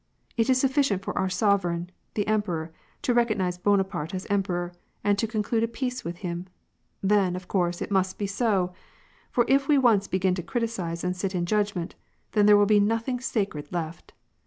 It is sufficient for our sovereign, the emperor, to recognize Bonaparte as em peror, and to conclude peace with him ; then, of course, it must be so. For if we once begin to criticise and sit in judgment, then there will be nothing sacred left.